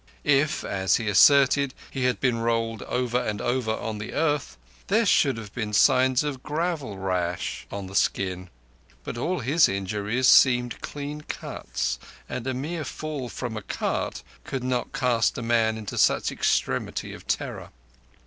If, as he asserted, he had been rolled over and over on the earth, there should have been signs of gravel rash on the skin. But all his injuries seemed clean cuts, and a mere fall from a cart could not cast a man into such extremity of terror.